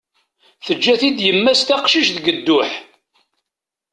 Teǧǧa-t-id yemma-s d aqcic deg dduḥ.